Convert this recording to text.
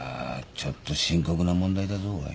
ちょっと深刻な問題だぞおい。